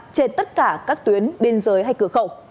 trên tất cả các tuyến biên giới hay cửa khẩu